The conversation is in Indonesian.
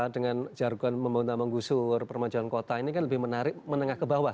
dengan jargon pemerintah menggusur permajuan kota ini kan lebih menarik menengah ke bawah